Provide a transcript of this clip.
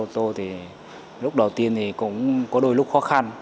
ô tô thì lúc đầu tiên thì cũng có đôi lúc khó khăn